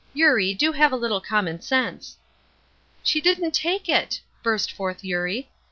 "Eurie, do have a little common sense." "She didn't take it!" burst forth Eurie.